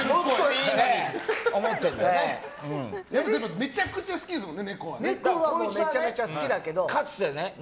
めちゃくちゃ好きですもんね